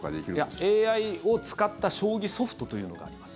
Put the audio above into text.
いや、ＡＩを使った将棋ソフトというのがあります。